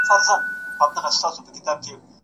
کله چې سواد ترلاسه شو، د لیکلو هنر زده کول مهم دی.